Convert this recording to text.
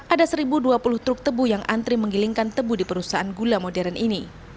ada satu dua puluh truk tebu yang antri menggilingkan tebu di perusahaan gula modern ini